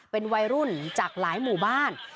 เป็นวัยรุ่นจากหลายหมู่บ้าน